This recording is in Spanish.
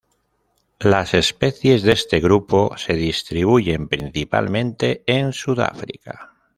Las especies de este grupo se distribuyen principalmente en Sudáfrica.